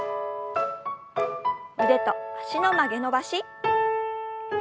腕と脚の曲げ伸ばし。